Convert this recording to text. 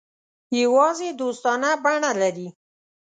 یوازې دوستانه بڼه لري.